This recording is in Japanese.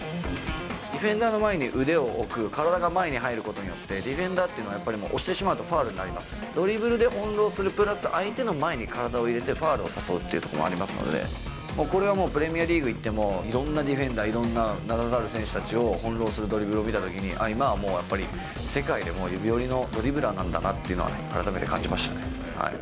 ディフェンダーの前に腕を置く、体が前に入ることによって、ディフェンダーというのはやっぱりもう押してしまうとファウルになります、ドリブルで翻弄する、プラス、相手の前に体を入れてファウルを誘うということがありますので、これはもうプレミアリーグ行っても、いろんなディフェンダー、いろんな名だたる選手たちを翻弄するドリブルを見たときに、今はもう、世界でもう指折りのドリブラーなんだなというのは改めて感じまし